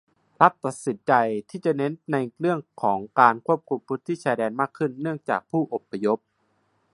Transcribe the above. รัฐตัดสินใจที่จะเน้นในเรื่องการควบคุมพื้นที่ชายแดนมากขึ้นเนื่องจากผู้อพยพ